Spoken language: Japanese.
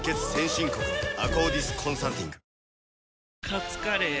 カツカレー？